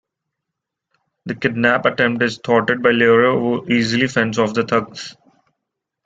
The kidnap attempt is thwarted by Leroy who easily fends off the thugs.